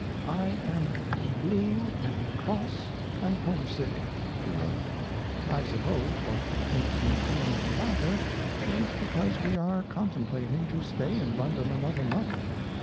I am blue and cross and homesick [she wrote]. I suppose what makes me feel the latter is because we are contemplating to stay in London another month.